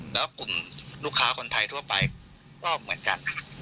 แล้วก็นุคค้าคนไทยทั่วไปก็เหมือนกัน